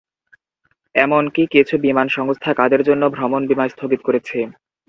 এমনকি কিছু বিমা সংস্থা কাদের জন্য ভ্রমণ বিমা স্থগিত করেছে?